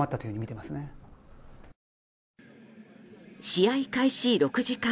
試合開始６時間